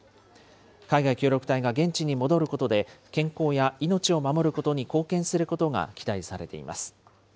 海外協力隊が現地に戻ることで、健康や命を守ることに貢献することが期待されています。